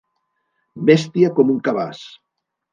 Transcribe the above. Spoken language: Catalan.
Bèstia com un cabàs.